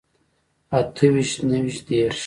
اته ويشت نهه ويشت دېرش